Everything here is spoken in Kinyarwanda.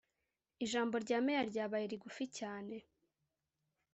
Ijambo rya Meya ryabaye rigufi cyane